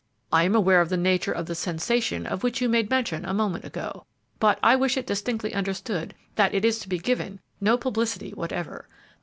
I am aware of the nature of the 'sensation' of which you made mention a moment ago, but I wish it distinctly understood that it is to be given no publicity whatever.